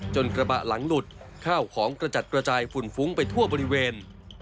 กระบะหลังหลุดข้าวของกระจัดกระจายฝุ่นฟุ้งไปทั่วบริเวณ